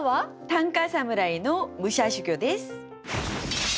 短歌侍の武者修行です。